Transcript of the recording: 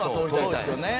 そうですよね。